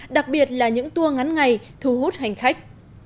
đặc biệt là những tour ngắn ngày thu hút hành khách